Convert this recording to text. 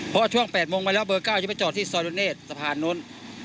เพราะช่วง๘โมงไปแล้วเบอร์๙จะไปจอดที่ซอยรุเนศสะพานนู้น